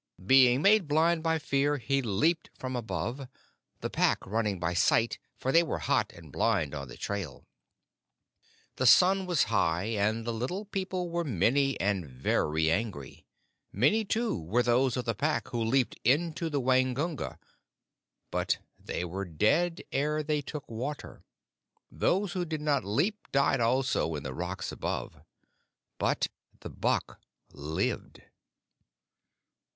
Being made blind by fear, he leaped from above, the Pack running by sight, for they were hot and blind on the trail. The sun was high, and the Little People were many and very angry. Many too were those of the Pack who leaped into the Waingunga, but they were dead ere they took water. Those who did not leap died also in the rocks above. But the buck lived."